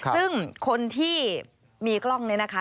ซึ่งคนที่มีกล้องนี้นะคะ